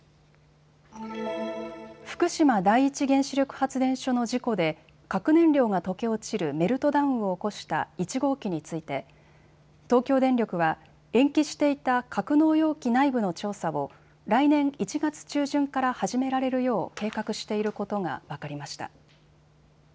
福島第一原子力発電所の事故で核燃料が溶け落ちるメルトダウンを起こした１号機について東京電力は延期していた格納容器内部の調査を来年１月中旬から始められるよう計画していることが分かりました。